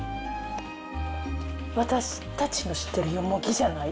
私たちの知ってるヨモギじゃない。